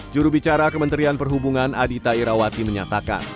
jurubicara kementerian perhubungan adita irawati menyatakan